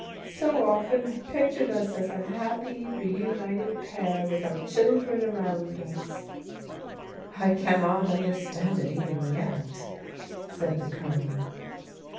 So often, I pictured us as a happy, reimited pair with our children around us." " I cannot understand it even yet," said the Colonel.